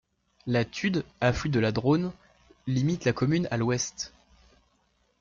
La Tude, affluent de la Dronne, limite la commune à l'ouest.